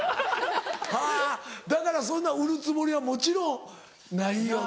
はぁだからそんな売るつもりはもちろんないよね。